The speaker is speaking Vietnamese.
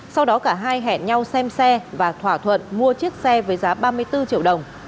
sau đó cả hai hẹn nhau xem xe và thỏa thuận mua chiếc xe với giá ba mươi bốn triệu đồng